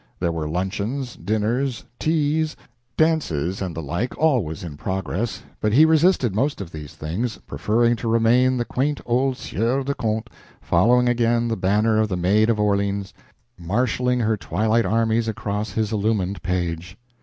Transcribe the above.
There were luncheons, dinners, teas, dances, and the like always in progress, but he resisted most of these things, preferring to remain the quaint old Sieur de Conte, following again the banner of the Maid of Orleans marshaling her twilight armies across his illumined page.